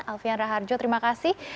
alfian raharjo terima kasih